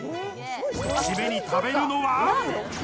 締めに食べるのは。